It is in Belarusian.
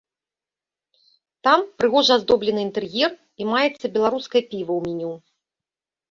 Там прыгожа аздоблены інтэр'ер і маецца беларускае піва ў меню.